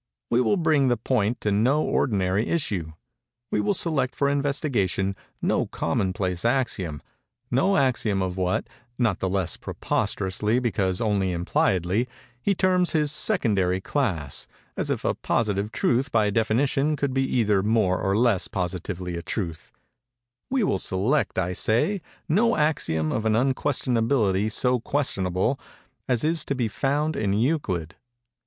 We will bring the point to no ordinary issue. We will select for investigation no common place axiom—no axiom of what, not the less preposterously because only impliedly, he terms his secondary class—as if a positive truth by definition could be either more or less positively a truth:—we will select, I say, no axiom of an unquestionability so questionable as is to be found in Euclid.